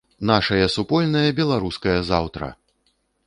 Нашае супольнае беларускае заўтра!